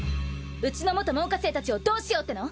うちの元門下生たちをどうしようっての！？